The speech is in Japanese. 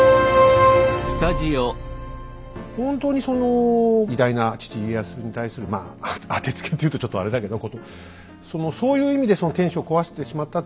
ほんとにその偉大な父・家康に対するまあ当てつけって言うとちょっとあれだけどそういう意味で天守を壊してしまったっていう要素はもう。